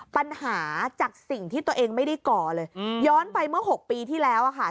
ปัญหาจากสิ่งที่ตัวเองไม่ได้ก่อเลยย้อนไปเมื่อ๖ปีที่แล้วค่ะ